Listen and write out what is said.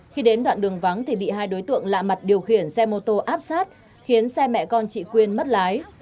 khi đến đoạn đường vắng thì bị hai đối tượng lạ mặt điều khiển xe mô tô áp sát khiến xe mẹ con chị quyên mất lái